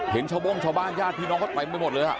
เห็นชาวบ้างชาวบ้านญาติพี่น้องก็ไปไปหมดเลยค่ะ